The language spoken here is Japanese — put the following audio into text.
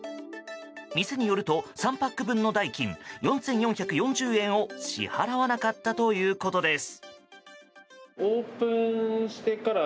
店によると、３パック分の代金４４４０円を支払わなかったということです。